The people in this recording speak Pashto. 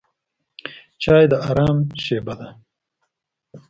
چای د آرام شېبه ده.